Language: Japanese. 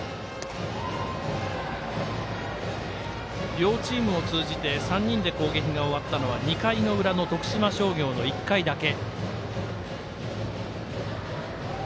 両チームを通じて３人で攻撃が終わったのは２回の裏の徳島商業の１回だけ。